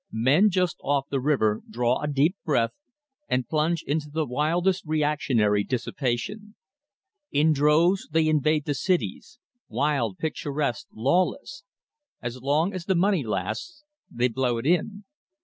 Men just off the river draw a deep breath, and plunge into the wildest reactionary dissipation. In droves they invade the cities, wild, picturesque, lawless. As long as the money lasts, they blow it in.